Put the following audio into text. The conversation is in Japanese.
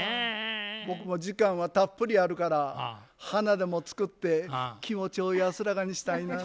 僕も時間はたっぷりあるから花でも作って気持ちを安らかにしたいなぁ。